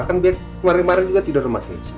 kan biar kemarin kemarin juga tidur rumah kesya